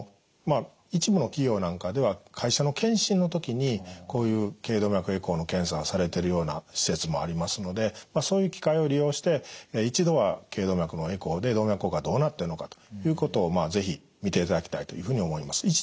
まあ一部の企業なんかでは会社の健診の時にこういう頸動脈エコーの検査されてるような施設もありますのでそういう機会を利用して一度は頸動脈のエコーで動脈硬化はどうなっているのかということをまあ是非見ていただきたいというふうに思います。